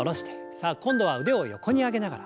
さあ今度は腕を横に上げながら。